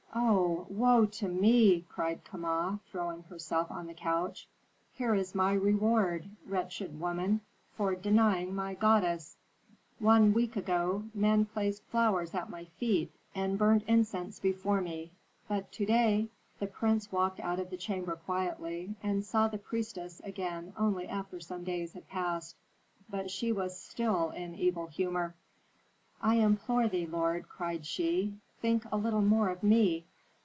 "Oh, woe to me!" cried Kama, throwing herself on the couch. "Here is my reward, wretched woman, for denying my goddess. One week ago men placed flowers at my feet and burnt incense before me, but to day " The prince walked out of the chamber quietly, and saw the priestess again only after some days had passed. But she was still in evil humor. "I implore thee, lord," cried she, "think a little more of me.